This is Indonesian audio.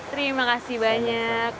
terima kasih banyak